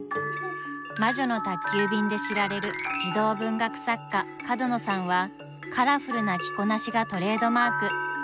「魔女の宅急便」で知られる児童文学作家、角野さんはカラフルな着こなしがトレードマーク。